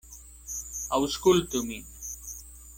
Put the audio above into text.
Aŭskultu min.